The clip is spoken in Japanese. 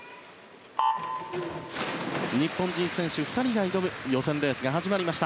日本人選手２人が挑む予選レースが始まりました。